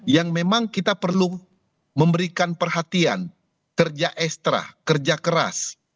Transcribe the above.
yang memang kita perlu memberikan perhatian kerja ekstra kerja keras